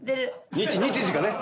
日時がね。